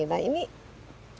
nah ini dampaknya apa